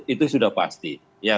itu sudah pasti